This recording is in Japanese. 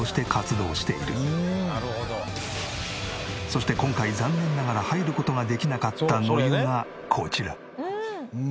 そして今回残念ながら入る事ができなかった野湯がこちら。